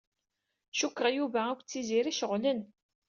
Cukkeɣ Yuba akked Tiziri ceɣlen.